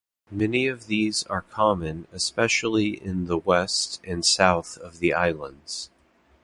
Many of these are common especially in the west and south of the islands.